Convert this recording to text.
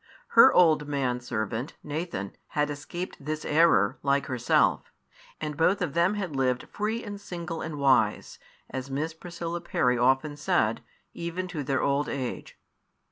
Her old man servant, Nathan, had escaped this error, like herself; and both of them had lived free and single and wise, as Miss Priscilla Parry often said, even to their old age.